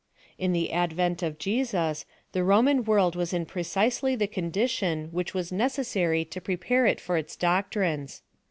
At the advent of Jesus, the Roman world was in precisely the condition, which was necessary to prepare it for his doctrines.